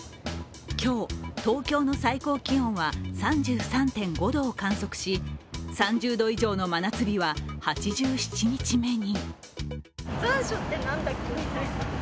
今日、東京の最高気温は３３．５度を観測し３０度以上の真夏日は８７日目に。